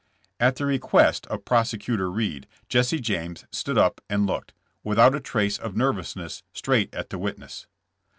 At the request of Prosecutor Reed, Jesse James stood up and looked, without a trace of nervousness, straight at the witness.